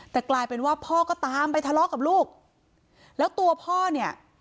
แต่กลายเป็นว่าพ่อก็ตามไปทะเลาะกับลูกแล้วตัวพ่อเนี่ย